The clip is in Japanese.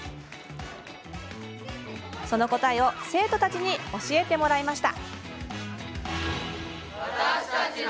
その答えを生徒たちに教えてもらいました。